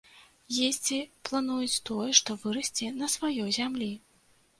Есці плануюць тое, што вырасце на сваёй зямлі.